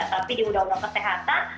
tapi di undang undang kesehatan